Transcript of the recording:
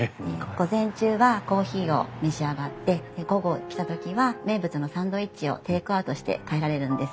午前中はコーヒーを召し上がって午後来た時は名物のサンドイッチをテイクアウトして帰られるんです。